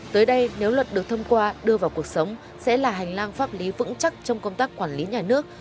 tới đây nếu luật được thông qua đưa vào cuộc sống sẽ là hành lang pháp lý vững chắc trong công tác quản lý nhà nước